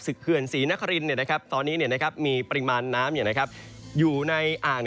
เขื่อนศรีนครินตอนนี้มีปริมาณน้ำอยู่ในอ่าง